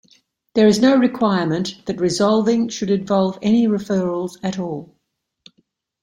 There is no requirement that resolving should involve any referrals at all.